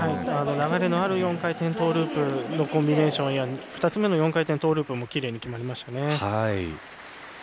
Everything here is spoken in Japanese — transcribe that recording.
流れのある４回転トーループのコンビネーションで２つ目の４回転トーループもきれいに決まりましたね。